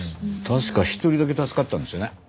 確か１人だけ助かったんですよね。